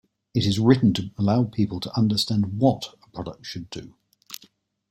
It is written to allow people to understand "what" a product should do.